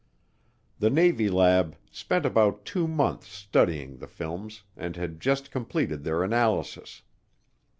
The Navy lab spent about two months studying the films and had just completed their analysis.